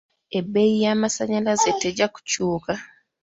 Ebbeyi y'amasanyalaze tejja kukyuuka.